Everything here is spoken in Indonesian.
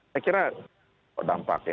saya kira dampaknya